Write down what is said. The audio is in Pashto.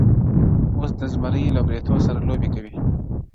اوس د زمریو له برېتونو سره لوبي کوي؛